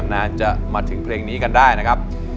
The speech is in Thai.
น่าจะมาถึงเพลงนี้กันได้นะครับ